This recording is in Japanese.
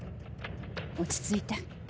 落ち着いて。